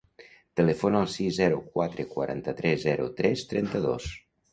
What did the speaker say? Telefona al sis, zero, quatre, quaranta-tres, zero, tres, trenta-dos.